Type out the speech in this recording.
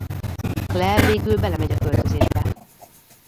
Claire végül belemegy a költözésbe.